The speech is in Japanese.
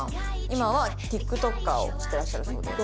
今はＴｉｋＴｏｋｅｒをしてらっしゃるそうです。